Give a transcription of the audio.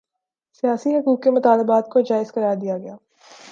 سیاسی حقوق کے مطالبات کوجائز قرار دیا گیا